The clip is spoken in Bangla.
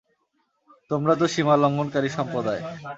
তোমরা তো সীমালংঘনকারী সম্প্রদায়।